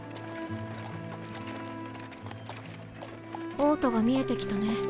王都が見えてきたね。